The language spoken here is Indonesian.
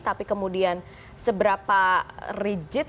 tapi kemudian seberapa rigid